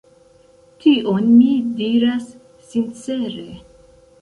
Tion mi diras sincere.